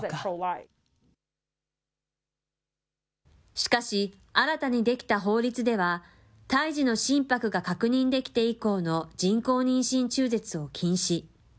しかし、新たに出来た法律では、胎児の心拍が確認できて以降の人工妊娠中絶を禁止。